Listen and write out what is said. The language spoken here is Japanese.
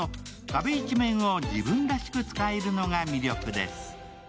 壁一面を自分らしく使えるのが魅力です。